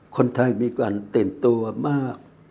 คนไทยมีการตื่นตัวมาก